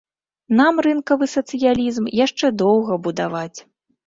Нам рынкавы сацыялізм яшчэ доўга будаваць.